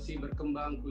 dipe bumbu rasa cakalang